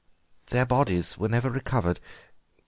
Their bodies were never recovered.